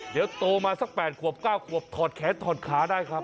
เดี๋ยวโตมาสัก๘ขวบ๙ขวบถอดแขนถอดขาได้ครับ